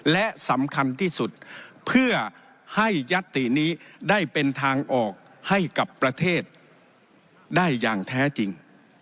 และสำคัญที่สุดเพื่อให้ยัตตินี้ได้เป็นทางออกให้กับประเทศได้อย่างแท้จริง